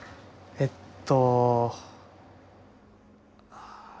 えっと。